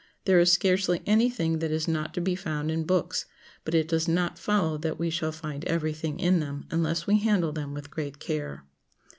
There is scarcely any thing that is not to be found in books, but it does not follow that we shall find every thing in them unless we handle them with great care.